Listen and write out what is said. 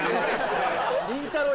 りんたろー。